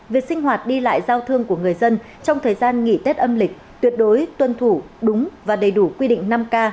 việc sinh hoạt đi lại giao thương của người dân trong thời gian nghỉ tết âm lịch tuyệt đối tuân thủ đúng và đầy đủ quy định năm k